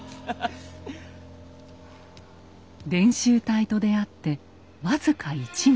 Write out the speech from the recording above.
伝習隊と出会って僅か１年。